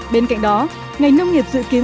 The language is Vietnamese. bên cạnh đó ngành nông nghiệp dự kiến